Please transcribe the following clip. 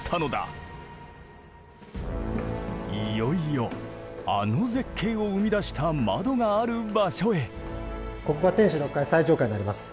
いよいよあの絶景を生み出した窓がある場所へ。